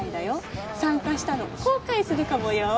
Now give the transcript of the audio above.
参加したの後悔するかもよ。